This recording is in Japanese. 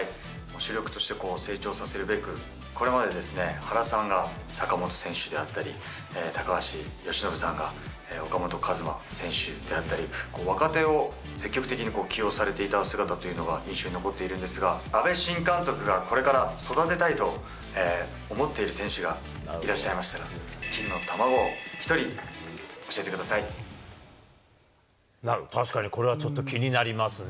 主力として成長させるべく、これまで原さんが坂本選手であったり、高橋由伸さんが岡本和真選手であったり、若手を積極的に起用されていた姿というのは印象に残っているんですが、阿部新監督が、これから育てたいと思っている選手がいらっしゃいましたら、なるほど、確かにこれはちょっと気になりますね。